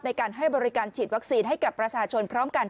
ในการให้บริการฉีดวัคซีนให้กับประชาชนพร้อมกัน